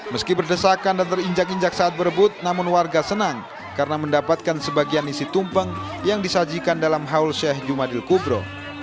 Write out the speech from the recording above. meski berdesakan dan terinjak injak saat berebut namun warga senang karena mendapatkan sebagian isi tumpeng yang disajikan dalam haul sheikh jumadil kubro